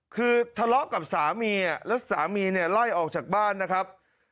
คือทะเลาะกับสามีแล้วสามีเนี่ยไล่ออกจากบ้านนะครับ